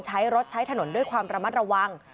ใช้รถใช้ถนนด้วยความระมัดระวัง